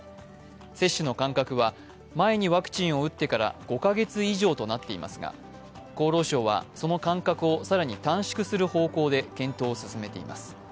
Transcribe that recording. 接種の間隔は、前にワクチンを打ってから、５か月以上となっていますが、厚労省はその間隔を更に短縮する方向で検討を進めています。